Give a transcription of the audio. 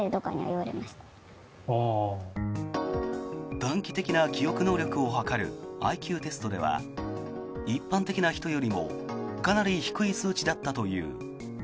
短期的な記憶能力を測るＩＱテストでは一般的な人よりもかなり低い数値だったという。